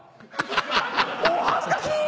お恥ずかしーい！